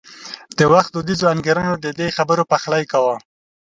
د وخت دودیزو انګېرنو د دې خبرو پخلی کاوه.